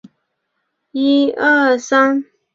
微睡眠和许多疾病关联。